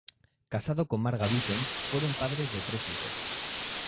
Casado con Marga Vicens, fueron padres de tres hijos.